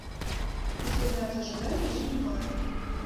І спыняцца жадання ён не мае.